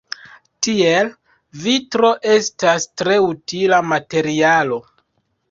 Tiel, vitro estas tre utila materialo.